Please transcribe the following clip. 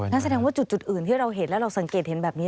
นั่นแสดงว่าจุดอื่นที่เราเห็นแล้วเราสังเกตเห็นแบบนี้